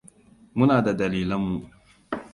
Muna da dalilan mu.